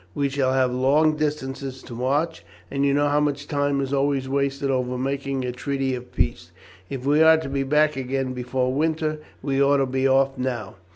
We shall have long distances to march, and you know how much time is always wasted over making a treaty of peace. If we are to be back again before winter we ought to be off now.